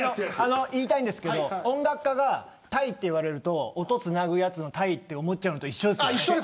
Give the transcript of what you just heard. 言いたいんですけど音楽家がタイといわれると音つなぐやつのタイと思っちゃうのと一緒ですよ。